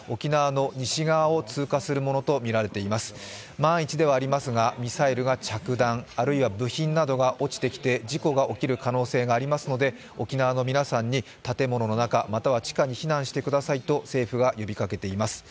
万一ではありますが、ミサイルが着弾、あるいは部品などが落ちてきて事故が起きる可能性がありますので沖縄の皆さんに、建物の中、または地下に避難してくださいと政府が呼びかけています。